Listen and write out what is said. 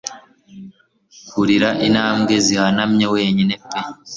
Kurira intambwe zihanamye wenyine pe